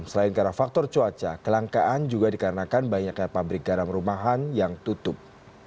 selain karena faktor cuaca kelangkaan juga dikarenakan banyaknya pabrik garam rumahan yang tutup